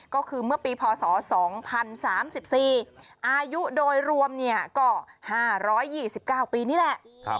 ก็คือเมื่อปีพศ๒๐๓๔อายุโดยรวมก็๕๒๙ปีนี่แหละ